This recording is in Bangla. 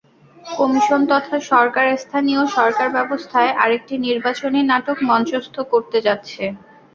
কমিশন তথা সরকার স্থানীয় সরকারব্যবস্থায় আরেকটি নির্বাচনী নাটক মঞ্চস্থ করতে যাচ্ছে।